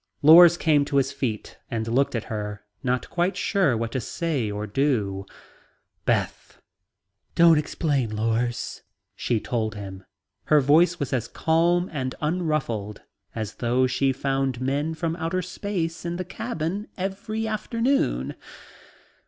Lors came to his feet and looked at her, not quite sure what to say or do. "Beth..." "Don't explain, Lors," she told him. Her voice was as calm and as unruffled as though she found men from outer space in the cabin every afternoon.